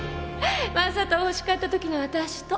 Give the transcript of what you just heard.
正人を欲しかった時の私と。